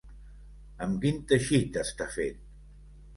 Amb quin teixit està fet?